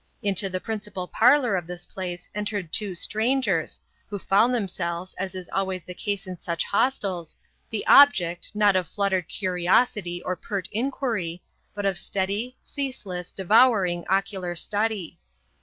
Into the principal parlour of this place entered two strangers, who found themselves, as is always the case in such hostels, the object, not of fluttered curiosity or pert inquiry, but of steady, ceaseless, devouring ocular study.